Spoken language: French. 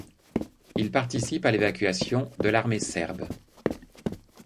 Il participe à l'évacuation de l'armée serbe.